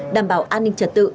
đảm bảo an ninh trật tự